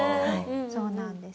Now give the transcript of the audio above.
そうなんです。